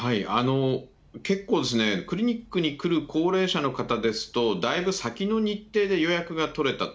結構、クリニックに来る高齢者の方ですと、だいぶ先の日程で予約が取れたと。